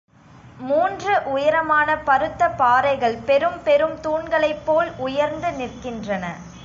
மூன்று உயரமான பருத்த பாறைகள் பெரும் பெரும் தூண்களைப்போல் உயர்ந்து நிற்கின்றன.